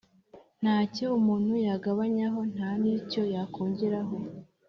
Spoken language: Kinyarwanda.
Nta cyo umuntu yagabanyaho, nta n’icyo yakongeraho;